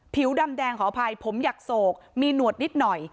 ผิวดำแดงขออภัยผมอยากโศกมีหนวดนิดหน่อย